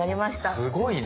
すごいね。